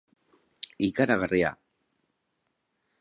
Ikaragarria!